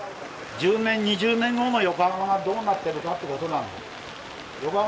１０年２０年後の横浜がどうなってるかということなんだ。